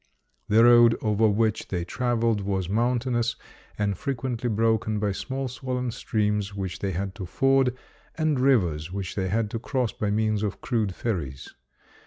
The road over which they traveled was mountainous and fre quently broken by small swollen streams which they had to ford, and rivers which they had to cross by means of crude ferries.